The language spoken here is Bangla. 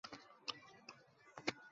সামুদ্রিক মাছের আমিষ সহজে পরিপাকযোগ্য।